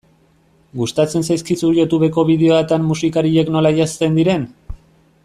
Gustatzen zaizkizu Youtubeko bideoetan musikariak nola janzten diren?